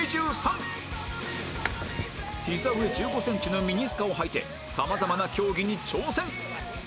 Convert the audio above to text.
膝上１５センチのミニスカをはいて様々な競技に挑戦